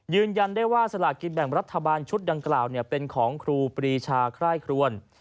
ยืนยันได้ว่าสลากกินแบ่งรัฐบาลชุดดังกล่าวเป็นของครูปรีชาไคร่ครวน